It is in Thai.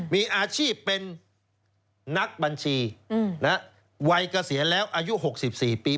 มีอาชีพเป็นนักบัญชีวัยเกษียณแล้วอายุ๖๔ปี